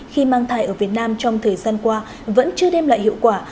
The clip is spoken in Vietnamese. khi mang thai ở việt nam trong thời gian qua vẫn chưa đem lại hiệu quả